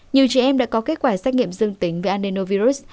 nhiều trẻ em đã có kết quả xét nghiệm dương tính về annenovirus